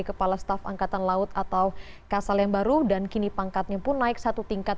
kepala staf angkatan udara marsikal tni fajar prasetyo sempp